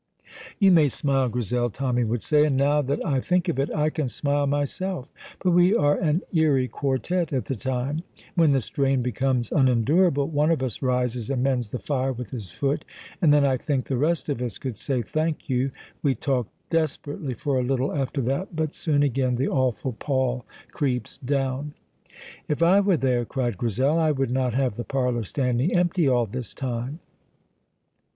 "You may smile, Grizel," Tommy would say, "and now that I think of it, I can smile myself, but we are an eerie quartet at the time. When the strain becomes unendurable, one of us rises and mends the fire with his foot, and then I think the rest of us could say 'Thank you.' We talk desperately for a little after that, but soon again the awful pall creeps down." "If I were there," cried Grizel, "I would not have the parlour standing empty all this time."